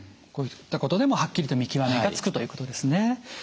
こういったことでもはっきりと見極めがつくということですね。